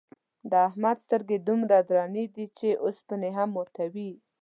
د احمد سترگې دومره درنې دي، چې اوسپنې هم ماتوي.